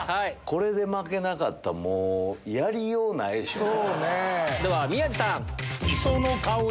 これで負けなかったらやりようないでしょ。